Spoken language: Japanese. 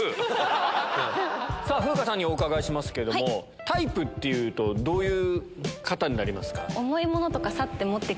風花さんにお伺いしますけどもタイプっていうとどういう方になりますか？